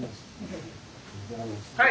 はい。